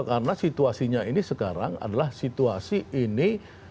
karena situasinya ini sekarang adalah situasi ini